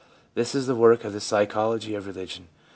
This is the work of the psychology of re ligion.